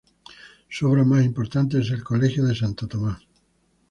Su obra más importante es el Colegio de Santo Tomás.